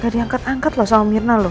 diangkat angkat loh sama mirna loh